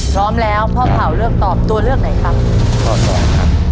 พร้อมแล้วพ่อเผ่าเลือกตอบตัวเลือกไหนครับ